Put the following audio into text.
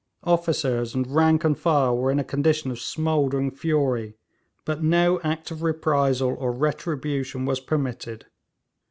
Officers and rank and file were in a condition of smouldering fury, but no act of reprisal or retribution was permitted.